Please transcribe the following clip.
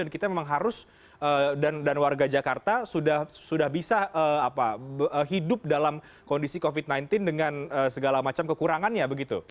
dan kita memang harus dan warga jakarta sudah bisa hidup dalam kondisi covid sembilan belas dengan segala macam kekurangannya